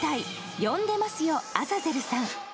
「よんでますよ、アザゼルさん。」。